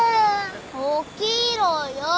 起きろよ。